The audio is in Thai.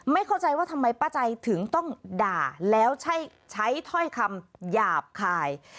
เข้าใจว่าทำไมป้าใจถึงต้องด่าแล้วใช้ถ้อยคำหยาบคาย